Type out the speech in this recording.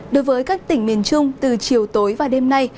đối với các tỉnh miền trung từ chiều tối và đêm nay